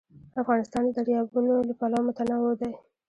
افغانستان د دریابونه له پلوه متنوع دی.